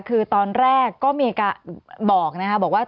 คือตอนแรกก็มีการบอกนะคะบอกว่า